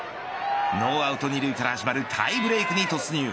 ノーアウト二塁から始まるタイブレークに突入。